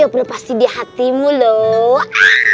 aduh beli belah pasti di hatimu loh